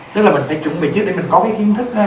tức là mình phải chuẩn bị trước để mình có cái kiến thức